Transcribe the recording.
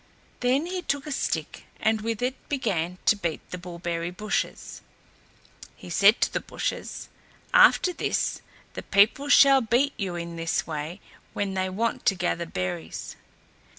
Then he took a stick and with it began to beat the bullberry bushes. He said to the bushes, "After this, the people shall beat you in this way when they want to gather berries."